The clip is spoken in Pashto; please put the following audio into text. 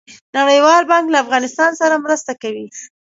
نړیوال بانک له افغانستان سره مرسته کوي